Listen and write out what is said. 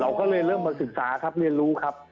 ก็เลยเริ่มมาศึกษาครับเรียนรู้ครับ